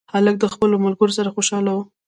هلک د خپلو ملګرو سره خوشحاله و.